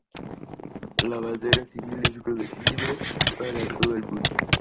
La bandera civil es de uso libre para todo el mundo.